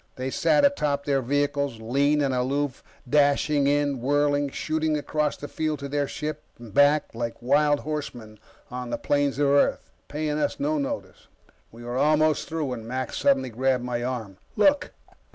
They sat atop their vehicles, lean and aloof, dashing in, whirling, shooting across the field to their ship and back like wild horsemen on the plains of Earth, paying us no notice. We were almost through when Mac suddenly grabbed my arm. "Look!"